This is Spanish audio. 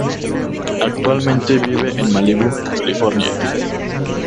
Actualmente vive en Malibu, California.